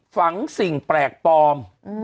ฝังสิ่งแปลกปลอม